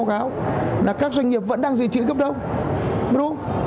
như thành phố báo cáo là các doanh nghiệp vẫn đang giữ trữ cấp đông đúng không